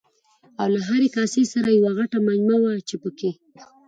او له هرې کاسې سره یوه غټه مجمه وه چې پکې